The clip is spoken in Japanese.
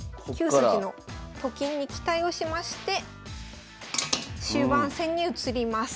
９筋のと金に期待をしまして終盤戦に移ります。